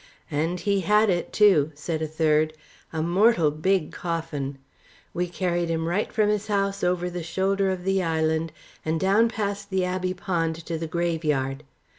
"And he had it too," said a third; "a mortal big coffin. We carried him right from his house over the shoulder of the island, and down past the Abbey pond to the graveyard.